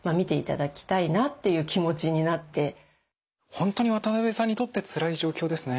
本当に渡辺さんにとってつらい状況ですね。